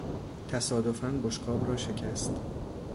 تصادفا بشقاب را شکست.